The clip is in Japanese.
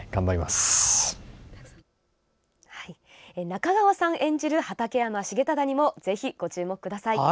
中川さん演じる畠山重忠にもぜひご注目ください。